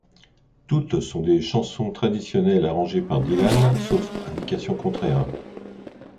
Toutes sont des chansons traditionnelles arrangées par Dylan, sauf indication contraire.